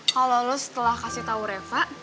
kalau lo setelah kasih tahu reva